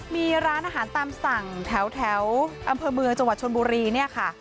มีร้านอาหารตามสั่งแถวอำเภอเมืองจังหวัดชนบุรีเนี่ยค่ะ